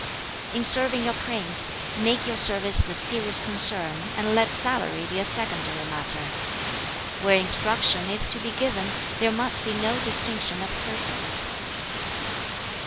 "In serving your prince, make your service the serious concern, and let salary be a secondary matter. "Where instruction is to be given, there must be no distinction of persons.